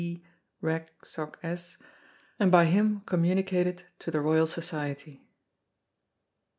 D. Reg. Soc. S. and by him communicated the Royal Society.